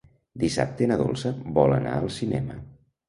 Dissabte na Dolça vol anar al cinema.